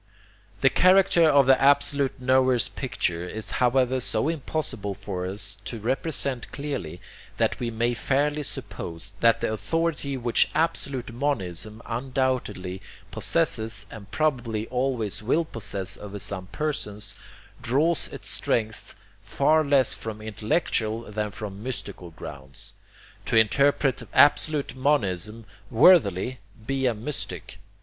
The character of the absolute knower's picture is however so impossible for us to represent clearly, that we may fairly suppose that the authority which absolute monism undoubtedly possesses, and probably always will possess over some persons, draws its strength far less from intellectual than from mystical grounds. To interpret absolute monism worthily, be a mystic.